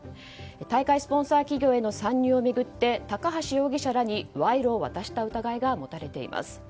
大会スポンサー企業への参入を巡って高橋容疑者らに賄賂を渡した疑いが持たれています。